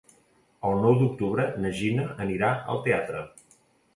El nou d'octubre na Gina anirà al teatre.